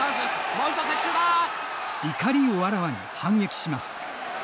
怒りをあらわに反撃します。